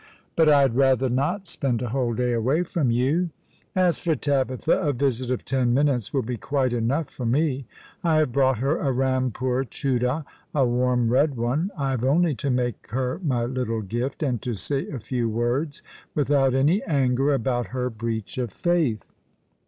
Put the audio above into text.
" But I had rather not spend a whole day away from you. As for Tabitha, a visit of ten minutes will be quite enough for me. I have brought her a Ehampoor Chuddah — a warm red one. I have only to make her my little gift, and to say a few words — without any anger — about her breach of faith."